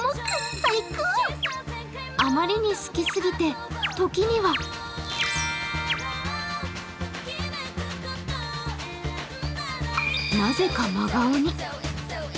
あまりに好きすぎで時にはなぜか、真顔に。